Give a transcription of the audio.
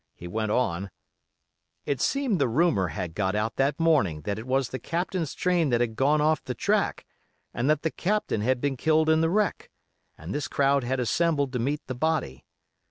He went on: "It seemed the rumor had got out that morning that it was the Captain's train that had gone off the track and that the Captain had been killed in the wreck, and this crowd had assembled to meet the body.